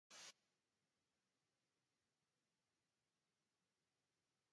Agurearen begia izan zela uste dut.